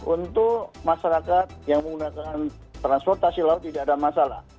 untuk masyarakat yang menggunakan transportasi laut tidak ada masalah